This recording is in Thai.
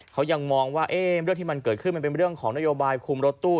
เขายังมองว่าเรื่องที่มันเกิดขึ้นมันเป็นเรื่องของนโยบายคุมรถตู้